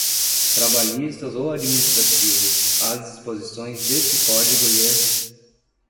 trabalhistas ou administrativos, as disposições deste Código lhes